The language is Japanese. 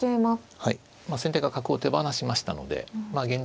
はい先手が角を手放しましたので現状